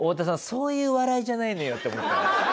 そういう笑いじゃないのよって思った。